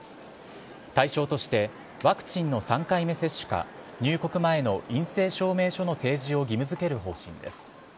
対象として、ワクチンの３回目接種か、入国前の陰性証明書の提示を義務づける方針です。